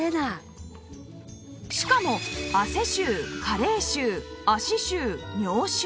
しかも汗臭加齢臭足臭尿臭